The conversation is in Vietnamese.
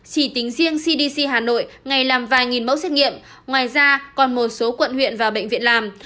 chỉ tính riêng cdc hà nội ngày làm vài nghìn mẫu xét nghiệm ngoài ra còn một số quận huyện và bệnh viện làm